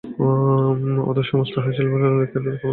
অথচ সমস্ত হাস্যালাপের মধ্যে নলিনাক্ষের একটা কেমন দূরত্বও ছিল।